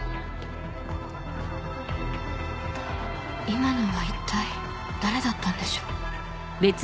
今のは一体誰だったんでしょう？